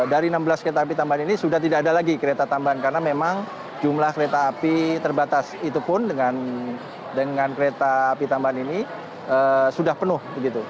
dari enam belas kereta api tambahan ini sudah tidak ada lagi kereta tambahan karena memang jumlah kereta api terbatas itu pun dengan kereta api tambahan ini sudah penuh